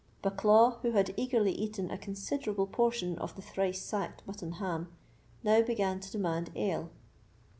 Bucklaw, who had eagerly eaten a considerable portion of the thrice sacked mutton ham, now began to demand ale.